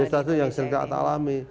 ya itu yang sering kita alami